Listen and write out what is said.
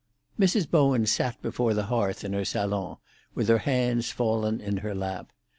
XIII Mrs. Bowen sat before the hearth in her salon, with her hands fallen in her lap.